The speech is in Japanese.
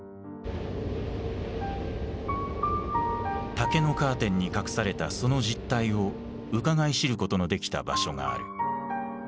竹のカーテンに隠されたその実態をうかがい知ることのできた場所がある。